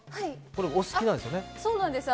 お好きなんですよね？